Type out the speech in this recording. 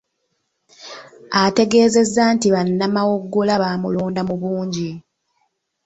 Ategeezezza nti bannamawogola baamulonda mu bungi.